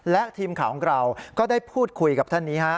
และทีมข่าวของเราก็ได้พูดคุยกับท่านนี้ฮะ